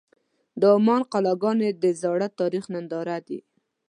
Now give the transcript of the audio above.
د عمان قلعهګانې د زاړه تاریخ ننداره ده.